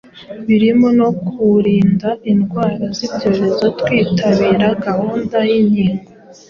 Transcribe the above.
birimo no kuwurinda indwara z’ibyorezo twitabira gahunda y’inkingo.